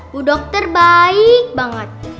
bu dokter baik banget